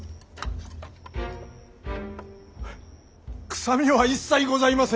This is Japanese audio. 臭みは一切ございませぬ。